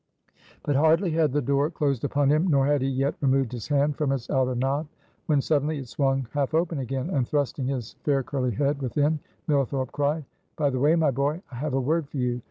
But hardly had the door closed upon him, nor had he yet removed his hand from its outer knob, when suddenly it swung half open again, and thrusting his fair curly head within, Millthorpe cried: "By the way, my boy, I have a word for you.